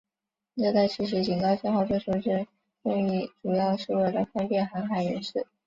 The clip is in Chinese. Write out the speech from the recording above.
热带气旋警告信号最初之用意主要是为了方便航海人士。